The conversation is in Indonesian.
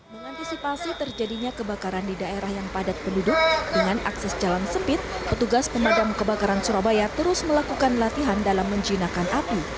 mengantisipasi terjadinya kebakaran di daerah yang padat penduduk dengan akses jalan sempit petugas pemadam kebakaran surabaya terus melakukan latihan dalam menjinakkan api